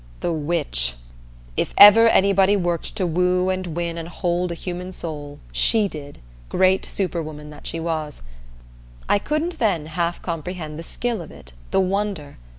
The witch! If ever anybody worked to woo and win and hold a human soul, she did, great superwoman that she was. I couldn't then half comprehend the skill of it, the wonder.